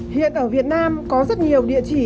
hiện ở việt nam có rất nhiều địa chỉ